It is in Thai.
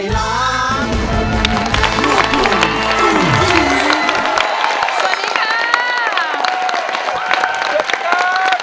สวัสดีครับ